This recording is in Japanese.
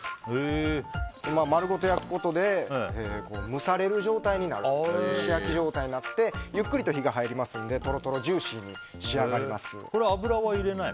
丸ごと焼くことで蒸し焼き状態になってゆっくり火が入りますのでトロトロジューシーに仕上がります。